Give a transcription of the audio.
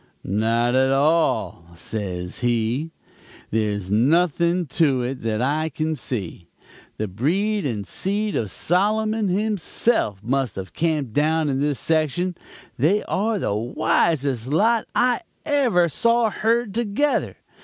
"'Not at all,' says he. 'There's nothing to it that I can see. The breed and seed of Solomon himself must have camped down in this section; they are the wisest lot I ever saw herd together.